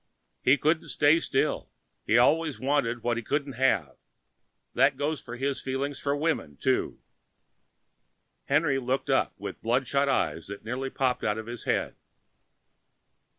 He couldn't stay still, he always wanted what he couldn't have. That goes for his feelings for women, too." Henry looked up with bloodshot eyes nearly popping out of his head.